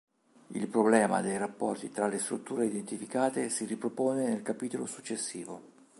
Il problema dei rapporti tra le strutture identificate si ripropone nel capitolo successivo.